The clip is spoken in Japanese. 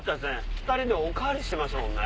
２人でお代わりしましたもんね。